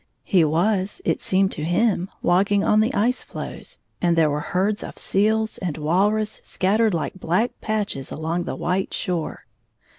He was, it seemed to him, walking on the ice floes, and there were herds of seals and walrus scattered like black patches along the white shore.